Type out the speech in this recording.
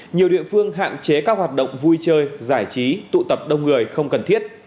nhiều địa phương hạn chế các hoạt động vui chơi giải trí tụ tập đông người không cần thiết